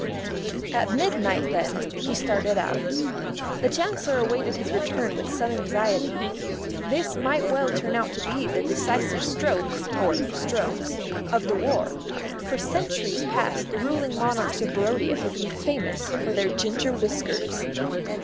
At midnight, then, he started out. The Chancellor awaited his return with some anxiety. This might well turn out to be the decisive stroke (or strokes) of the war. For centuries past the ruling monarchs of Barodia had been famous for their ginger whiskers.